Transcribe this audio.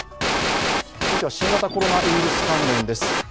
続いては新型コロナウイルス関連です。